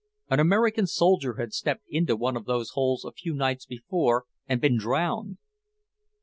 An American soldier had stepped into one of those holes a few nights before, and been drowned.